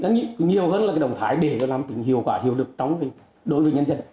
nhiều hơn là cái động thái để làm tính hiệu quả hiệu lực trong đối với nhân dân